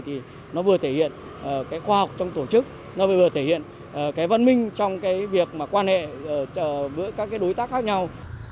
thì nó vừa thể hiện khoa học trong tổ chức nó vừa thể hiện văn minh trong việc quan hệ với các đối tác khác nhau